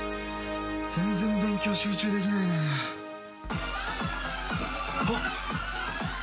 全然勉強集中できないな。